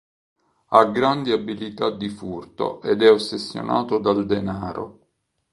Ha grandi abilità di furto ed è ossessionato dal denaro.